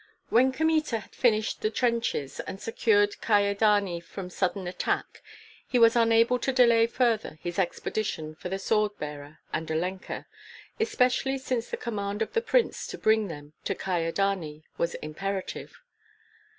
When Kmita had finished the trenches and secured Kyedani from sudden attack, he was unable to delay further his expedition for the sword bearer and Olenka, especially since the command of the prince to bring them to Kyedani was imperative.